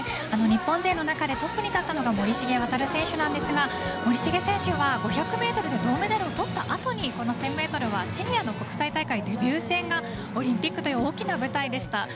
日本勢の中でトップに立ったのが森重航選手なんですが森重選手は５００ｍで銅メダルをとったあとに１０００ｍはシニアの国際大会デビュー戦がオリンピックという大きな舞台でした。